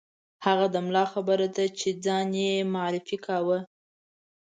هغه د ملا خبره ده چې ځان یې معرفي کاوه.